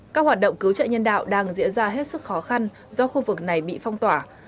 các hoạt động cứu trợ nhân đạo đang diễn ra hết sức khó khăn do khu vực này bị phong tỏa